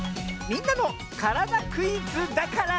「みんなのからだクイズ」だから。